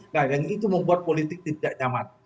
nah yang itu membuat politik tidak nyaman